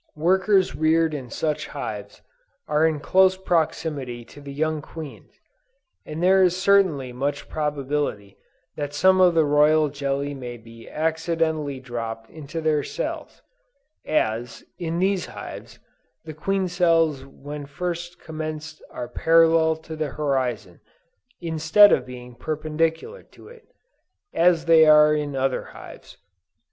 Workers reared in such hives, are in close proximity to the young queens, and there is certainly much probability that some of the royal jelly may be accidentally dropped into their cells; as, in these hives, the queen cells when first commenced are parallel to the horizon, instead of being perpendicular to it, as they are in other hives.